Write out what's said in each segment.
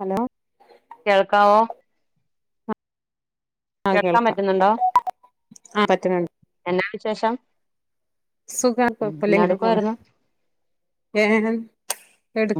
Hello കേൾക്കാവോ ആ കേൾക്കാൻ കേൾക്കാം പറ്റുന്നുണ്ടോ ആ എന്നാ വിശേഷം സുഖമാ ഉം കുഴപ്പമില്ല എന്നാ ഇങ്ങനെ പോണ് എടുക്കുവായിരുന്നു ഏ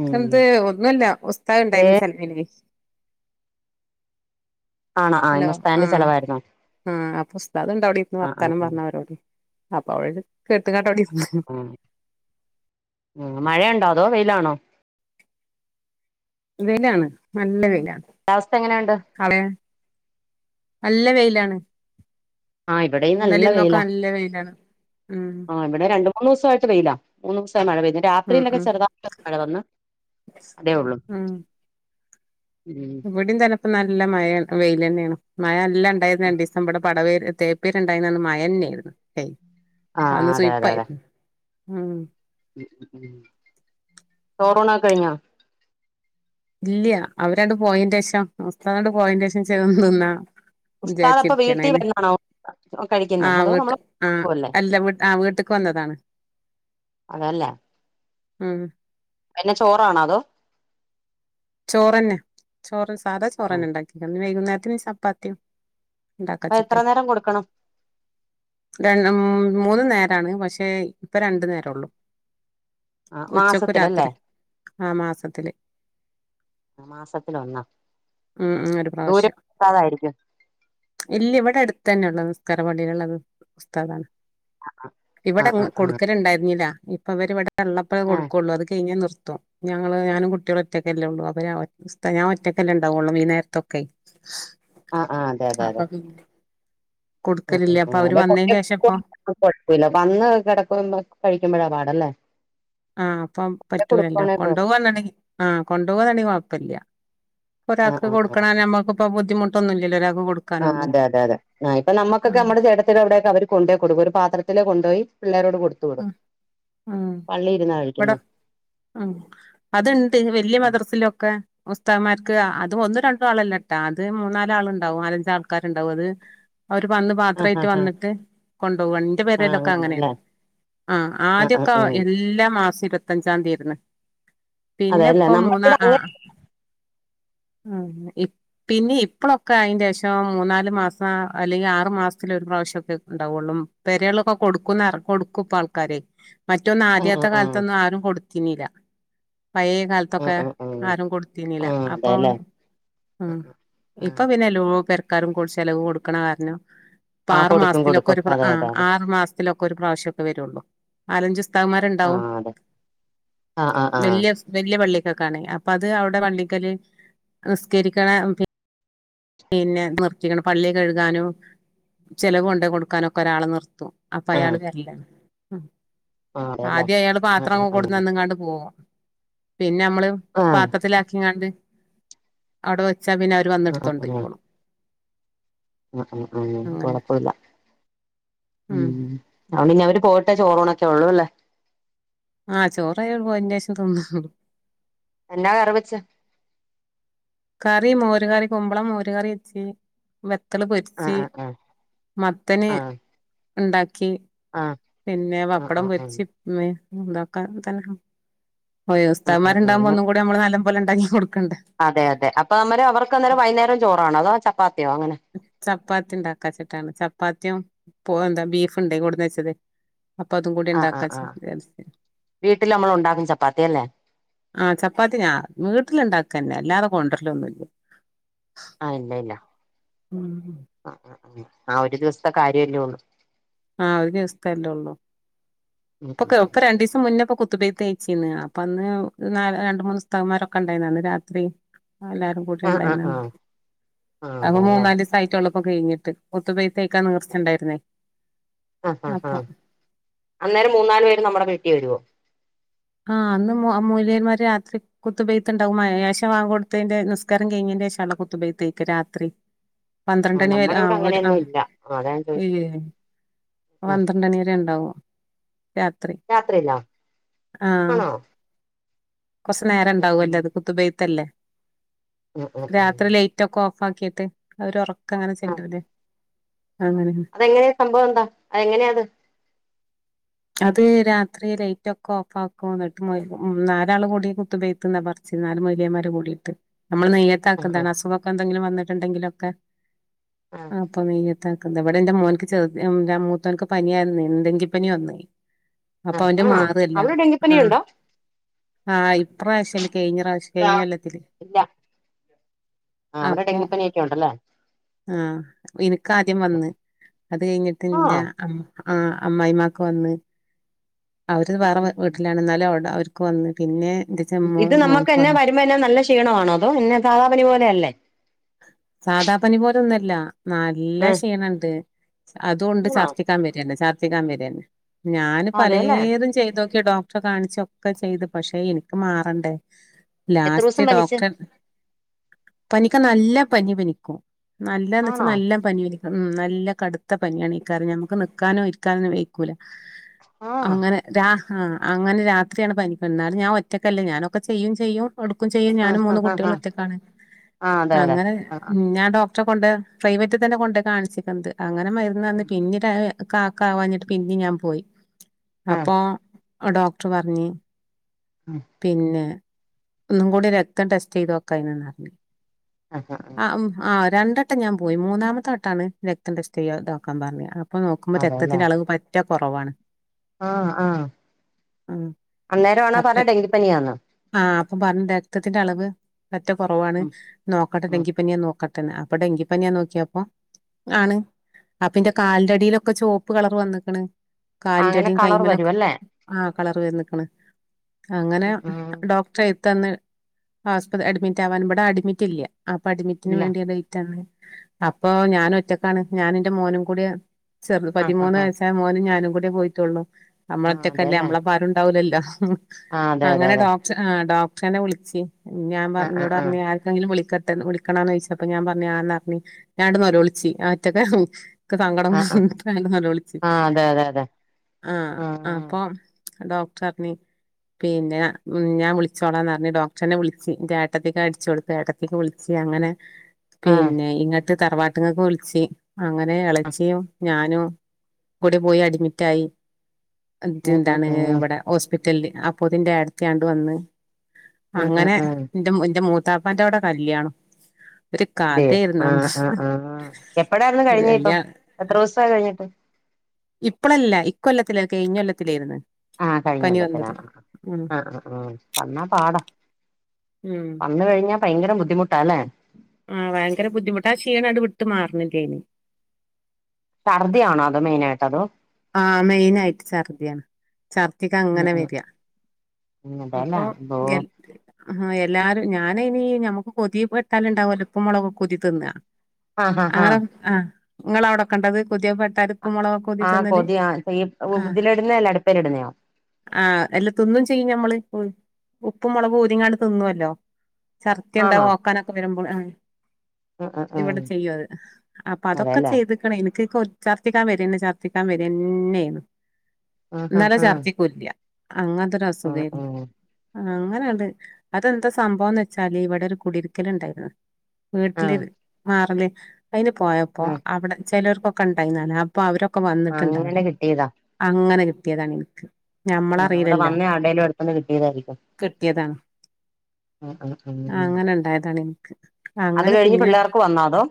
ഉം ഒന്നുമല്ല ഉസ്താത് ഏ ഉണ്ടായിരുന്നു സന്ധ്യക്ക്‌ ആണോ ആ ഹലോ ഇന്ന് ആ സ്റ്റാൻഡ് ചെലവായിരുന്നോ ആ അപ്പം ഉസ്താദ് ഉണ്ട് അവിടെ ഇരുന്ന് ആ ആ വർത്താനം ഉം പറഞ്ഞവരോട് അപ്പൊ അവടെ- എടുത്തങ്ങടിരുന്നു മഴയ ഉണ്ടോ അതോ വെയിലാണോ വെയ്ലാണ് നല്ല വെയ്ല് കാലാവസ്ഥ എങ്ങനെയുണ്ട് കളയ നല്ല വെയിലാണ് ആഹ് ഇവിടെയും ഇന്നലെ നല്ല ഇന്നൊക്കെ വെയിലാ നല്ല വെയിലാണ് ഉം ആ ഇവിടെ രണ്ടു മൂന്ന് ദിവസമായിട്ട് വെയിലാ മൂ ദിവസം മഴ പെയ്തു ഉം രാത്രിയിലൊക്കെ ഉം ചെറുതായിട്ട് മഴ വന്ന് അതേ ഉള്ളു ഇവിടിം തന്നെ നല്ല മഴ വെയില് തന്നെയാണ് മഴ നല്ല ഉണ്ടായിരുന്നു രണ്ട് ദീസം ഇബടെ പട വേ [unintelligible] തേപ്പേരുണ്ടായിരുന്നന്ന് മഴ ന്നേരുന്നു ഹേയ് ആ അതെ അതെ അതെ ഉം ചോറൂണൊക്കെ കഴിഞ്ഞോ ഇല്ല അവരാണ്ട് പോയേന്റെഷം ഉസ്താദ് അങ്ങട്ട് പോയന്റെ ശേഷം തിന്നാ ഉസ്താദപ്പ വിചാരിച്ചിരിക്കാണ് വീട്ടിൽ അയിന് വന്നാണോ കഴിക്കുന്നെ ആഹ് അതോ വീട്ട് നമ്മൾ [unintelligible] ആഹ് ക്കല്ലേ അല്ല വീട്ട് ആഹ് വീട്ട്ക്ക് വന്നതാണ് അതല്ലേ ഉം പിന്നെ ചോറാണോ അതോ ചോറന്നെ ചോറ് സാധാ ചോറന്നെ ഉണ്ടാക്കി ഇനി വൈകുന്നേരം ത്തിന് ചപ്പാത്തിം ഉണ്ടാക്ക അപ്പൊ എത്ര വെചിട്ടേ നേരം കൊടുക്കണം രൻ മൂന്ന് നേ രാണ് പക്ഷേ ഇപ്പ രണ്ടു നേര ഒള്ളു ആ ഉച്ചക്കു മാസത്തിലല്ലേ രാത്രി ആ മാസത്തില് മാസത്തില് ഒന്ന് ഉം ഉം ഒരു പ്രാവശ്യം ഇല്ല ഇവിടെ അടു തന്നെയുള്ള നിസ്കാര പടിയിലുള്ള ഒരു ഉസ്താദാണ് ഇവിടെ ആഹ് ആഹ് ആഹ് കൊടുക്കലണ്ടായിരുന്നില്ല അപ്പവര് വടെ ള്ളപ്പഴേ ആഹ് കൊടുക്കുള്ളു അത് കഴിഞ്ഞാ നിർ ത്തും ഞങ്ങള് ഞാനും കുട്ടിയേളും ഒറ്റക്കെല്ലാം ഉള്ളൂ അപ്പം ഞാൻ ഉസ്താ ഏ ഞാൻ ഒറ്റക്കല്ലേണ്ടാ വൊള്ളൂ ഈ നേരത്തൊക്കെ ആ ആ അതെ അതെ അപ്പൊ അതെ പിന്നെ ഉ കൊടുക്കലില്ല അപ്പൊ ഉം അവര് അല്ല വന്നതിന് [unintelligible] ശേഷം ഇപ്പൊ കുഴപ്പില്ല വന്ന് കിടക്കുമ്പം കഴിക്കുമ്പഴാ പാട് അല്ലേ ആഹ് അപ്പം പറ്റൂലല്ലോ കൊണ്ടുപോകാന്ന് ണ്ടെങ്കിആ കൊണ്ടുപോവാന്നാണെങ്കിൽ പ്പല്യാ ആഹ് ഒരാക്ക് കൊടുക്കണം നമ്മുക്കിപ്പൊ ബു ഡിമുട്ടൊന്നുല്ലല്ലോ ഒരാ ആ് അത അതെ അതെ ആ ഇപ്പൊ നമുക്കെ ഉം നമ്മ ചേട്ടത്തി അവിടെയൊക്കെ അവര് കൊണ്ടപോയി കൊടുക്കും ഒരു പാത്രത്തില കൊണ്ടുപോയി ഉ ഉ പള്ളി ഇരുന്നാ ഇവിടെ കഴിക്കുന്നെ ഉ അത്ണ്ട് വലിയ മദ്രസിലൊക്കെ ഉസ്തകന്മാർക്ക് അതും ഒന്നും രണ്ടും ആളല്ല ട്ടാ അത് മൂന്നാലല് ആൾുണ്ടാവും നാലഞ്ച ആൾക്കാരുണ്ടാവും അത് അവര് വന്ന് ആഹ് പാത്രമായിട്ട് ആഹ് ആഹ് വന്നിട്ട് വന്റെ ആഹ് പേര്തൊക്കെ അങ്ങനെയാ അങ്ങനല്ലേ ആഹ് ആഹ് ആദ്യൊക്കെ ഉം എല്ല മാസം ഇരുപത്തഞ്ചാം തീയതിന് പിന്നെ അതെല്ലേ ഇപ്പൊ മൂന്നാ നമ്മക്കിവിടെ ആ അങ്ങനെ പിന്നെ ഇപ്പഴൊക്കെ അയിന്റെ പക്ഷ മൂന്നാല് മാസം അല്ലെങ്കിൽ ആറു മാസത്തില ഒരു പ്രാവശ്യക്കെ ഉണ്ടാവുള്ളൂ പെരയുള്ളൊക്കെ കൊടുക്കുന്ന കൊ- ക്കപ്പ ആൾക്കാരെ മറ്റൊന്ന് ആഹ് ആദ്യാത്ത ആഹ് കാലതൊന്ന് ആരും കൊടു ക്കിന്നില്ല പയേ ആഹ് കാലത്തൊക്കെ ആഹ് ആഹ് ആഹ് ആരും കൊടുത്തീനില്ല ആഹ് അപ്പൊ അതെല്ലേ ഉ ഇപ്പൊ പിന്നെ ലോ പെർ ആക്കാരും കൂടി ചിലവ് കൊടുക്കണ കാരണം. ഇപ്പൊ ആഹ് ആറു കൊടുക്കും മാസത്തിലൊക്കെ കൊടുക്കും ഒരു അതെ ആ അതെ അതെ ആറു മാസത്തിലൊക്കെ ഒരു പ്രാവശ്യം. ള്ളൂ നാലഞ്ച് ഉസ്താദുമാരുണ്ടാവും ആഹ് അതെ ആഹ് ആഹ് വെല്ല്യ ആഹ് വെല്ല്യ പള്ളി ക്കണേൽ അപ്പ അത് അവിടെ പള്ളിക്കല് നിസ്കരിക്കണ പിന്നെ നിർത്തിക്കണം പള്ളി കഴുകാനും ചെലവ് കൊണ്ട് കൊടുക്കാനും ഒക്കെ ഒരാളെ നിർത്തും അപ്പ ആഹ് അയാള് വെരല്ലാണ് ആം ആഹ് അതെല്ലേ ആദ്യം അയാള് ആഹ് പാത്രങ്ങ ആഹ് ആഹ് ആഹ് കൊടുന്നങ്ങാണ്ട് പോകും പിന്നെ നമ്മള് ആഹ് പാത്രത്തിലാക്കിങ്ങാണ്ട്. അവിടോ ച്ച പിന്ന അവർ വന്നേട് കൊണ്ടേയ്ക്കോളും. ഉം ഉം ഉം അങ്ങനെ കൊഴപ്പില്ല ഉം അവര് ഇനി അവര് പോയിട്ട് ചോറുണ്ണ് ഉള്ളുവല്ലേ ആഹ് ചോറടപോയിന് ശേഷം തോന്നു ന്താ കറിവെച്ച് കറി മോര് കറി കുമ്പളം മോര് കറി വെച്ച് പത്തള് ആഹ് പൊരിച്ച് ആഹ് മത്തന് ആഹ് ഇണ്ടാക്കി ആഹ് ച് ആഹ് പിന്നെ പപ്പടം ആഹ് ആഹ് പൊരിച്ച് എന്താക്കാനാ [unintelligible] ആഹ് ആഹ് ആഹ് ഉസ്താദുമാരുണ്ടാവുമ്പോ ആഹ് ഒന്നും കൂടി നമ്മള് നല്ല പോലുണ്ടാക്കി കൊടുക്കണ്ടെ അതെ അതെ അപ്പൊ നമ്മര് അവർക്ക് അന്നേം വൈന്നേരോം ചോറാണോ അതോ ചപ് ത്തിയോ അങ്ങനെ പ്പാത്തി ണ്ടാക്കാച്ച്ക്കാണ് ചപ്പാത്തിയും പോ എന്താ ബീഫ്ണ്ട് കൊട്ന്നെച്ചത് അപ്പ അതും ആഹ് ആഹ് കൂടിണ്ടാക്കാച്ച് ആഹ് [unintelligible] വീട്ടില് നമ്മൾ ഉണ്ടാക്കും ചപ്പാത്തി അല്ലേ ആഹ് ചപ്പാത്തി ഞാ വീട്ട്ല്ണ്ടാക്കന്നെ അൽ ഇല്ലാതെ കൊണ്ടരലൊന്നുല്ല ആഹ് ഇല്ല ഇല്ല ഉം ആഹ് ആഹ് ഒരു ദിവസത്തെ കാര്യല്ലേള്ളൂ ആഹ് ഒരിസ്തെല്ലാെള്ളു ഉം ഉം ഇപ്പൊക്കെ ഒക്കെ രണ്ടീസം മുന്നാെക്കെ കു ത്ത്‌ബ്‌യത്ത്യ്ച്ചീന്ന് അപ്പൊ അന്ന് ന രണ്ട് മൂന്ന് ഉസ്താദ്മാരൊക്കെണ്ടായ്ര്ന്ന് അന്ന് രാത്രി ആഹ് എല്ലാരും ആഹ് ആഹ് കൂട്യാണ്ടായ്ര്ന്നെ ആഹ് ആഹ് അത്പ്പ അതെല്ലേ മൂന്നാലീസായ്റ്റൊള്ളു ഇപ്പൊ കയ്ഞ്ഞ്ട്ട് കുത്തുബിയത്തയ്ക്കാൻ നീർച്ചണ്ടായ്ര്ന്നേ ആഹ് ഹ ഹാ അന്നേരം മൂന്നാല് പേര് നമ്മ്ടെ വീട്ടി വര്വോ ആഹ് അന്ന് മൊ മാേല്യേന്മാര് രാത്രി കുത്ത്പെയ്ത്ത്ണ്ടാകും മ എ ഏശ ബാങ്കൊട്ത്തേന്റെ നിസ്കാരം കയ്ഞ്ഞേന്റെ ശേഷാല്ലാേ കുത്തുപെയ്ത്തയ്ക്ക രാത്രി ആ പന്ത്രണ്ടണി വരെ നമ്മുടെ ഇവിടെ ആഹ് ഓര് അങ്ങനെയൊന്നും ആഹ് ഇല്ല അതാ ഞാൻ ചോദിച്ചത് ഇല്ലി [unintelligible] പന്ത്രണ്ടണി വരെണ്ടാവോ രാത്രിയിലാ ആഹ് കൊർച്ച് ഉം ഉം നേരണ്ടാവു അല്ലാേ അത് ഉം കുത്ത്ബിയ്ത്തെല്ലേ ഉം ഉം രാത്രി ഉം ലെയ്റ്റൊക്കാെ [unintelligible] അവര് ഒറ [unintelligible] അതെങ്ങനെയ, സംഭവം എന്താ? അതെങ്ങനെയാ അത്? അത് രാത്രി ലൈറ്റ് ഒക്കെ ഓഫ് ആക്കും എന്നിട്ട് മൊയ്‌ നാലാള് കൂടി കുത്തു പെയ്ത്ത്ന്നാ പറച്ചില് നാല് മൊലിയന്മാര് കൂടിയിട്ട്. നമ്മള് നിയത്ത് ആ ആ ആക്കുന്നതാണ് അസുഗൊക്ക [unintelligible] വന്നിട്ടുണ്ടെങ്കിലൊക്കെ ആ ആഹ് അപ്പൊ [unintelligible] [unintelligible] ഇവിടെ എന്റെ മോനിക്ക് ചെറു, മൂത്തവന്ക്ക് പനിയായിരുന്നേ. ഡെങ്കി പനി വന്നു. ആ അപ്പോ അവന്റെ ആണോ മാതല്ല അവിടെ ഡെങ്കിപ്പനി ആ ഉണ്ടോ ആ ഇപ് [unintelligible] ഇല്ല ആ അവിടെ ഡെങ്കിപ്പനി ഒക്കെ ഉണ്ടല്ലേ ആ എനക്ക് ആദ്യം വന്ന് അത് കഴിഞ്ഞിട്ട് ആ എന്റെ അമ് ആഹ അമ്മായിയമ്മാക്ക് വന്ന് അവര് വേറെ ഉം വ് ഉം. വീട്ടിലാണ് എന്നാലും അവടെ അവര് ക്കെ വന്ന് പിന്നെ എന്റെ ചെമ്മോ ഇത് നമ്മുക്ക് മോൻക്ക് വന്ന് എന്നെ വരുമ്പോ എന്ന നല്ല ക്ഷീണമാണോ അതോ എന്ന സാധാ പനി പോലെ അല്ലേ. സാധാ പനി പോലൊന്നുല്ല. നല്ല ആ ക്ഷീണണ്ട്, അതുകൊണ്ട് ആണോ ശർദിക്കാൻ വരന്നെ ശ ദിക്കാൻ വരാണ്. ഞാന് അതെല്ലേ പലേതും ചെയ്തോ ഡോക്ടറെ കാണിച്ചൊക്കെ ചെയ്തു പഷേ എനിക്ക് മാറണ്ടേ. എത്ര ലാസ്റ്റ് ദിവസം പനിച്ച് ഡോക്ടർ പനി നല്ല പനി പനിക്കും. നല്ലെന്ന് വെച്ചാൽ ആണോ നല്ല പനി വലി ഉം നല്ല കടുത്ത പനിയാണ്, ഈ കറി ഞമ്മുക്ക് നിക്കാനോ ഇരിക്കാനോ വെക്കൂല. ആ ആ അങ്ങനെ രാ ആ അങ്ങനെ രാത്രിയാണ് പനിക്ക എന്നാലും ഞാൻ ഒറ്റക്കല്ലേ ഞാനൊക്കെ ചെയ്യും ചെയ്യും. ഒടുക്കും ചെയ്യും ആ ഞാനും മൂന്ന് ആ ആ കുട്ടികളും ഒറ്റക്കാണ്. ആ അതെ അതെ അങ്ങന ആ ആ ഞാൻ ഡോക് ട്ര കൊണ്ട് പ്രൈവറ്റ് തന്നെ കൊണ്ട കാണിച്ചിക്കുന്നത്. അങ്ങനെ മരുന്ന് തന്ന് പിന്നീട് കാക്ക ആവാഞ്ഞിട്ട് പിന്നെ ഞാൻ പോയി. ആ അപ്പോ ആ ഡോക്ടർ പറഞ്ഞ് പിന്നെ ഒന്നും കൂടി രക്തം ടെസ്റ്റ് ചെയ്ത് നോക്കനിന്ന്റിഞ്ഞ്. ആ മ് ആ രണ്ടട്ടം ഞാൻ പോയി മൂന്നാമത്തെ വട്ടാണ് രക്തം ടെസ്റ്റ് ചെയ്യതോക്കാൻ പറഞ്ഞ്, അപ് അപ്പ നോക്കുമ്പോ രക്തത്തിന്റെ അളവ് പറ്റ കൊറവാണ്. ആഹ ആഹ ഉം അന്നേരം ആണോ പറ ഡെങ്കി പനിയാണ് ആഹ അപ്പം പറഞ്ഞു രക്തത്തിന്റെ അളവ് പ റ്റ കുറവാണ് ഉം നോക്കട്ടെ ഡെ ഉം ങ്കിപ്പനിയാൻ നോക്കട്ടെ അപ്പൊ ഡെങ്കിപ്പനിഅന്ന് നോക്കിയപ്പൊ ആണ് അപ്പന്റെ കാലിന്റെടിയിലൊക്കെ ചുവപ്പ് കളർ വന്നിക്കണ് കാലിന്റെ അങ്ങനെ അടയും കളർ കൈ്മലൊെ വരും അല്ലേ ആഹ കളർ വന്ന് ക്കണ് അങ്ങനെ ഉം ഡോക്ടർ എടുന്ന് ആശുപത്രി അഡ്മിറ്റ് ആവാൻ ഇവിടെ അഡ്മിറ്റ് ഇല്ല അപ്പൊ അഡമിറ്റിന് ഇല്ല വേണ്ടിയ ഡേറ്റ് ആണ് അപ്പൊ ഞാന ഒറ്റക്കാണ് ഞാന എറെ മോനും കൂടി ചെറു ആഹ് പതിമൂന്ന് ആഹ് ആഹ് വയസായ മോന് ഞാനും കൂടി പോയിട്ടുള്ളൂ നമ്മള ആഹ് ഒറ്റക്കല്ലേ അതെല്ലേ നമ്മളപ്പം ആരുണ്ടാവൂ ല്ലല്ലോ ഉം ആഹ് അതെ അതെ അങ്ങനെ അതെ ഡോക്ടർ ആ ഡോക് നെ വിളിിച്ചു ഞാൻ ആഹ് ആഹ് പറഞ്ഞോട് ആഹ് പറഞ്ഞഞ് ആർക്കെങ്കിലും വിളിക്ക മ വിളിക്കണന്ന് ചോദിച്ചപ്പൊ ഞാൻ പറഞ്ഞു ആന്നറിഞ്ഞി ഞാടന്ന് നെ ലോളിച്ച് ഞാൻ ഒറ്റക്കല്ലേ റ സങ്കടം ആഹ് ആഹ് കൊണ്ട് നോലോളിച്ചു ആഹ് അതെ അതെ അതെ ആഹ ആഹ് അപ്പൊ ഡോക്ടർ പറഞ്ഞു പിന്നെ ഞാൻളിച്ചോളാന്ന് പറഞ്ഞ് ഡോക്ടറിനെ വിളിച്ച് ഏട്ടത്തിക്ക അടിച്ചു കൊടുത്ത ഏട്ടത്തിക്ക്‌ വിളിച്ച അങ്ങനെ ആഹ് പിന്നെ ഇങ്ങട്ട് തറവാട്ടങ്ങൊക്കെ വിളിച്ച് അങ്ങനെ ഇളച്ചിയും ഞാനോ കൂടെ പോയി അഡ്മിറ്റ ആയി എ ന്നിട്ട് ഉം ഉം എന്താണ് ഉം ഇവടെ ഹോസ്പിറ്റലിൽ ഹോസ്പിറ്റലിൽ അപ്പോതിന്റെ അടുത്തയാണ്ട് വന്ന് ഉം ഉം അങ്ങനെ ഉം എറെ എന്റെ മൂത്ത ത്താപ്പന്റെ അവിടെ കല്ല്യാണം അതെ ആ ആ ആ എപ്പടായിരുന്നു കഴിഞ്ഞ ഇപ്പൊ കല്യാ എത്ര ദിവസമായി കഴിഞ്ഞിട്ട് ഇപ്പഴല്ല ഇക്ക കൊല്ലത്തില കെ ഇഞ്ഞ കൊല്ലത്തിലായിരുന്നു ആഹ കഴിഞ്ഞ പനി കൊല്ലത്തിന വന്നത് ഉം ആ ആ ആ് ആ ആ വന്നാ പാടം ഉം വന്ന കഴിഞ്ഞ ഭയങ്കര ബുദ്ധിമുട്ടാല്ലെ ആഹ ഭയങ്കര ബുദ്ധിമുട്ട് ആ ക്ഷീണ അണ്ട് വിട്ട് മാറണില്ലേനി ഛർദി ആണോ അതൊ മെയിനായിട്ട് അതോ ആഹ് മെയിൻ ആയിട്ട് ഛർദിയാണ് ഛർദിക്ക ഉം അങ്ങനെ ഉം വരാ ഉം അതെല്ലേ അപ്പൊ അതോ യെ ആ എല്ലാരും ഞാന അയ്നീ ഞമ്മുക്ക് കൊതി പെട്ടാലണ്ടാവുല്ലോ ഇപ്പും മുളകുംക്കെ ഊതി തിന്ന ആഹ് ആഹ് ആറ ആഹ് ങ്ങളെ അവിടെകണ്ടത് കൊതി പെട്ടാല് പ്പും മുളകൊ ആഹ് കൊതിയ ച ഉതില ഇടുന്ന അല്ല അടുപേല് ഇടുന്നയൊ ആഹ് എല്ല തിന്നും ചെയ്യും ഞമ്മള് ഉം. ഉപ്പും മുളകും ഊതിങ്ങാണ്ട് തിന്നുവല്ലോ ചർദി എന്താ ആണോ ഓക്കാനൊക്കെ വരുമ്പോൾ ആ ആഹ് ആഹ് ഇവിടെ ആഹ് ചെയ്യും അത് അപ്പൊ അതൊക്കെ അതെല്ലേ ചെയ്ത്ക്കണ എനി [unintelligible] ചർത്തിക്കാൻ വരന്നെ ചർ [unintelligible] വരന്നേന്നു ആഹ് ആഹ് ന്നാലോ ആഹ് ഛർദ്ദിക്കുല്ല്യ അങ്ങതൊരു ആഹ് അസുഖേന്നു ആഹ് അങ്ങനെയണ്ട് അതെന്താ സംഭവംന്ന് വെച്ചാല് ഇവിടെ ഒരു കുടിര്ക്കല് ണ്ടായിരുന്നു വീട്ടില് ആഹ് മാറല് ഉ അയ്ന് പോയപ്പോ ആഹ് അവിടെ ചെലർ ഒക്കെ ഉണ്ടായിന്നാണ് അപ്പൊ അവരൊ കെ വന്നിട്ട്ണ്ട് അവിടെ അങ്ങനെ കിട്ടിയതാ അങ്ങനെ ട്ട്യേതാണ് ഇൻക്ക് ആഹ് അവിടെ ഞമ്മളറിയിലല്ലോ വന്ന ആരുടേലും അടുത്തുന്ന് കിട്ടിയതായിരിക്കും കിട്ടിയതാണ് ആഹ് ആഹ് ആഹ് അങ്ങനെ ണ്ടായതാണ് ഇൻക്ക് അത് അങ്ങനെ കഴിഞ്ഞ് പിന്നെ പിള്ളേർക്ക് വന്നോ അതോ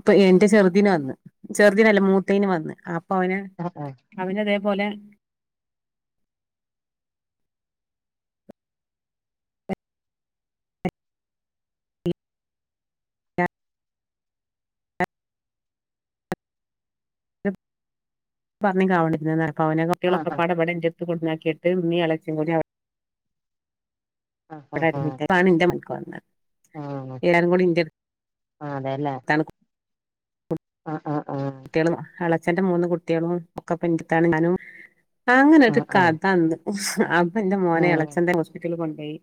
ഇപ്പൊ എന്റെ ചെറുതീന് വന്ന് ചെറുതീനല്ല മൂ [unintelligible] വന്ന് അ ഓന് ആഹ് അവന് ഇതേപോലെ [unintelligible] [unintelligible] ഒകെ ആഹ് പാടെ ഇവിടെ ൻ്റെ ക്ക് കൊട്ന്നാകീട്ട് മ്മീം എളേചി കൂടി അ ആഹ് ആഹ് ആഹ് [unintelligible] ആഹ് ആഹ് എല്ലാരും കൂടി ൻ്റെ ആഹ് അതെല്ലേ ആഹ് ആഹ് ആഹ് ച്ഛന്റെ മൂന്ന് കുട്ടിയാളും ഒക്കെ [unintelligible] ഞാനും അങ്ങനെ ഒരു ആഹ് ആഹ് കഥ അന്ന് [unintelligible] അം ഞാ ഇന്റെ മോനെ എളേച്ചൻ്റെ ഹോസ്പി റ്റല് കൊണ്ടോയി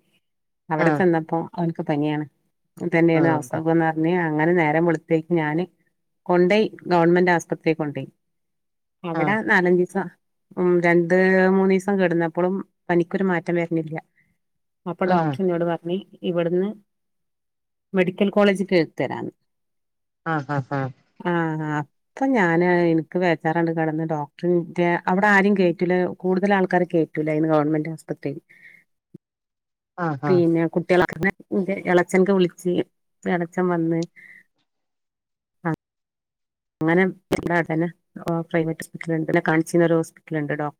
അവിടെ ആഹ് ചെന്നപ്പോ അവൻക്ക് പനിയാണ് ആഹ് തന്നെയും ആഹ് അവസ്ഥ അതെ പറഞ്ഞ് അങ്ങനെ നേരെ വെളുത്തേക്ക് ഞാന് കൊണ്ടയി ഗവൺമെന്റ് ആസുപത്രി കൊണ്ടോയി അവിടെ ആഹ് നാല് അഞ്ച് ദിവസം ഉം രണ്ട് മൂന്ന്ു ദിവസം കേടുന്നപ്പോഴും പനിക്കൊരു മാറ്റം വരുന്നില്ല അപ്പൊ ഡോക്ടറി എന്നോട് പറഞ്ഞേ ഇവിടുന്ന് മെഡിക്കൽ കോളേജിൽ ക എഴുതി തരാം എന്ന് ആഹ് ഹഹ് ഹഹ ആ അപ്പൊ ഞാന് എനിക്ക് വേച്ചാറ കടന്ന് ഡോക്ടറിന്റെ അവിടെ ആരും കേറ്റൂില്ല കൂടുതൽ ആൾക്കാാര് കേറ്റൂല ഇന്ന് ഗവണ്മെന്റ് ആസ്പത്രിയിൽ ആഹ് ആഹ് പിന്നെ കുട്ടികള [unintelligible] ഇ ഇളച്ചൻക്കെ വിളിച്ച് ഇളച്ചൻ വന്ന് അങ്ങനെ എന്താവിടന്നെ പ്രൈവറ്റ് ഹോസ്പിറ്റല ഉണ്ട് പിന്നെ കാണിച്ചുന്നൊരു ഹോസ്പിറ്റൽ ഉണ്ട് ഡോക്ടർ